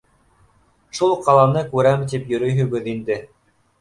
Шул ҡаланы күрәм тип йөрөйһөгөҙ инде.